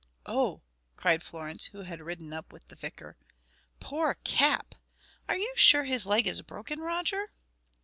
"Oh!" cried Florence, who had ridden up with the vicar. "Poor Cap! Are you sure his leg is broken, Roger?"